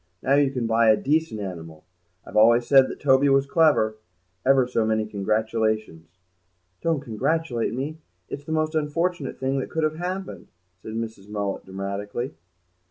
Now you can buy a decent animal. I've always said that Toby was clever. Ever so many congratulations." "Don't congratulate me. It's the most unfortunate thing that could have happened!" said Mrs. Mullet dramatically.